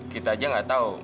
kita aja nggak tahu